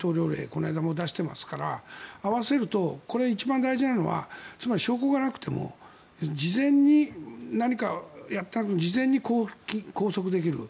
この間も出していますから合わせると一番大事なのはつまり証拠がなくても事前に拘束できる。